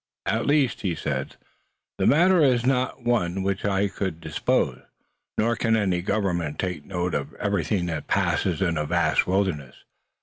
"At least," he said, "the matter is not one of which I could dispose. Nor can any government take note of everything that passes in a vast wilderness.